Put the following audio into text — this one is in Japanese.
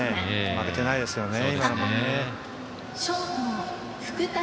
負けていないですね。